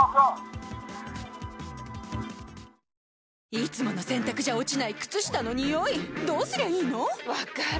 いつもの洗たくじゃ落ちない靴下のニオイどうすりゃいいの⁉分かる。